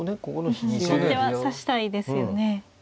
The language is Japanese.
先手は指したいですよね。